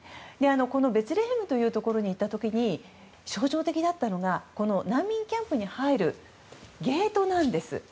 ベツレヘムというところに行った時に象徴的だったのが難民キャンプに入るゲートなんです。